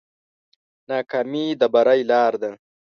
ناکامي د بری لاره ده.